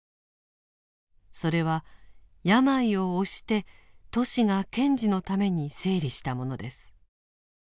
それは病を押してトシが賢治のために整理したものです。